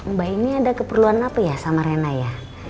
mbak ini ada keperluan apa ya sama rena ya